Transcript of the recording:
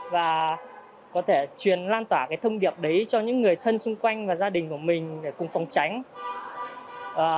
và có thể truyền lan tỏa cái thông điệp đấy cho những người thân xung quanh và gia đình của mình để cùng phòng tránh